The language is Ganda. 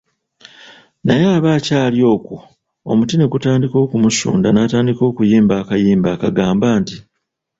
Naye aba akyali okwo, omuti ne gutandika okumusunda n'atandika okuyimba akayimba akagamba nti,